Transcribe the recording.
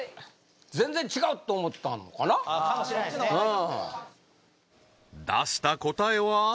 全然違うって思ってはんのかな？かもしれないですね出した答えは？